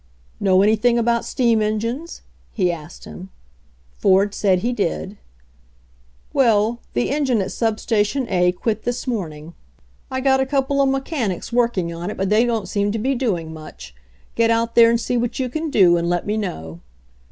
"Know anything about steam engines?" he asked him. Ford said he did. "Well, the engine at sub station A quit this morning. I got a couple of mechanics working BACK TO DETROIT 67 on it, but they don't seem to be doing much. Get out there and see what you can do, and let me know."